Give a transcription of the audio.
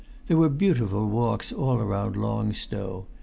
There were beautiful walks all round Long Stow.